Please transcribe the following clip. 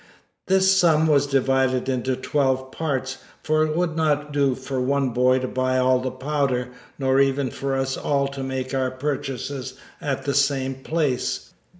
This sum was divided into twelve parts, for it would not do for one boy to buy all the powder, nor even for us all to make our purchases at the same place.